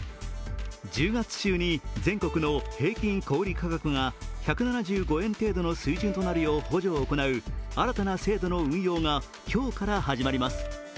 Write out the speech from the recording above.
１０月中に全国の平均小売価格が１７５円程度の水準となる補助を行う新たな制度の運用が今日から始まります。